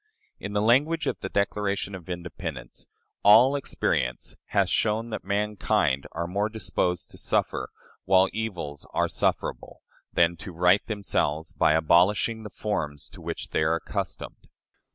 In the language of the Declaration of Independence, "All experience hath shown that mankind are more disposed to suffer, while evils are sufferable, than to right themselves by abolishing the forms to which they are accustomed."